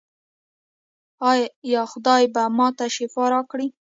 ایا خدای به ما ته شفا راکړي؟